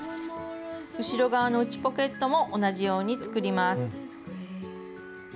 後ろ側の内ポケットも同じように作ります。